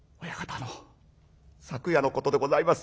あの昨夜のことでございます。